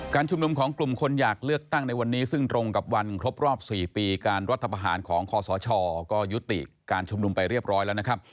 ชุมนุมของกลุ่มคนอยากเลือกตั้งในวันนี้ซึ่งตรงกับวันครบรอบ๔ปีการรัฐประหารของคอสชก็ยุติการชุมนุมไปเรียบร้อยแล้วนะครับ